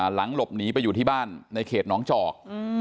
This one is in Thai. หลังหลบหนีไปอยู่ที่บ้านในเขตน้องจอก